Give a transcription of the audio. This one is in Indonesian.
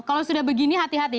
kalau sudah begini hati hati